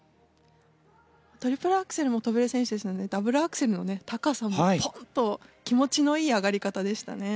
トリプルアクセルも跳べる選手ですのでダブルアクセルのね高さもポン！と気持ちのいい上がり方でしたね。